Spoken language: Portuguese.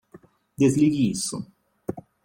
Desligue isso.